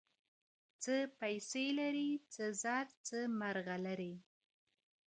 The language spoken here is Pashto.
څه پیسې لرې څه زر څه مرغلري